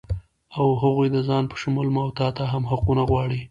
او هغوی د ځان په شمول ما و تاته هم حقونه غواړي